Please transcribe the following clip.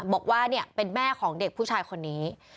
บอกว่าเป็นแม่ของเด็กผู้ชายคนนี้